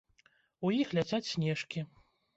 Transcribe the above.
У іх ляцяць снежкі.